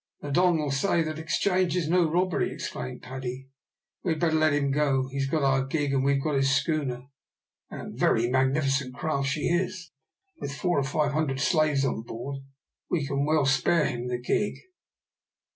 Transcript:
"The Don will say that exchange is no robbery," exclaimed Paddy, "we had better let him go. He has got our gig, and we have got his schooner, and a very magnificent craft she is, with 400 or 500 slaves on board. We can well spare him the gig."